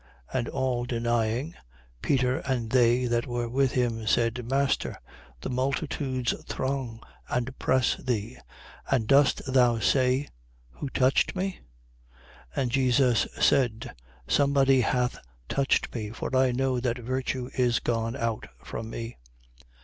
And all denying, Peter and they that were with him said: Master, the multitudes throng and press thee; and dost thou say, who touched me? 8:46. And Jesus said: Somebody hath touched me; for I know that virtue is gone out from me.